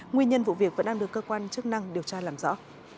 nguyên nhân vụ việc vẫn đang được cơ quan chức năng điều tra làm rõ